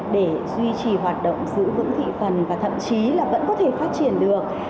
để duy trì hoạt động giữ vững thị phần và thậm chí là vẫn có thể phát triển được